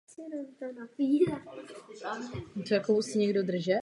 O opylování květů není mnoho známo.